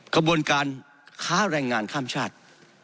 ขบวนการค้าแรงงานข้ามชาติ